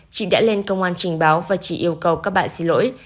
chị đã lên công an trình báo và chỉ yêu cầu các bạn xin lỗi